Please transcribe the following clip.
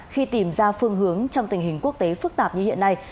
khi tìm ra phương hướng trong tình hình quốc tế phức tạp như hiện nay